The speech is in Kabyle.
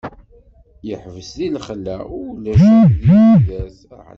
Yeḥbes deg laxla, ulac akk din tudert.